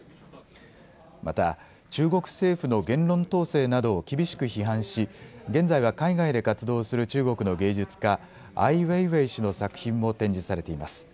また中国政府の言論統制などを厳しく批判し現在は海外で活動する中国の芸術家、アイ・ウェイウェイ氏の作品も展示されています。